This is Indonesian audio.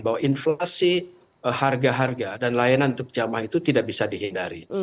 bahwa inflasi harga harga dan layanan untuk jamaah itu tidak bisa dihindari